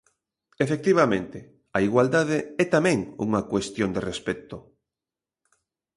Efectivamente, a igualdade é tamén unha cuestión de respecto.